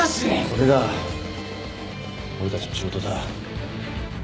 それが俺たちの仕事だ。